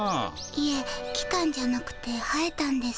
いえ来たんじゃなくて生えたんです。